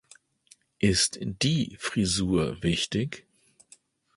Ist die Frisur wichtig?